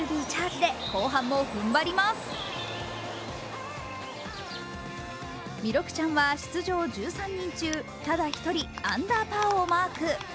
弥勒ちゃんは出場１３人中ただ１人アンダーパーをマーク。